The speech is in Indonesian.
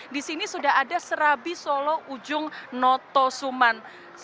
di sini sudah ada serabi solo ujung noto suman